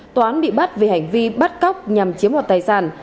toán bị bắt vì hành vi bắt cóc nhằm chiếm một tài sản